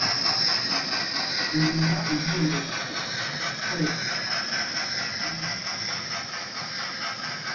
Uzuza interuro zikurikira ukoresheje amagambo ukuye mu mwandiko: